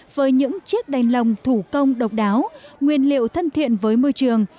với những chiếc đèn lồng thủ công độc đáo nguyên liệu thân thiện với môi trường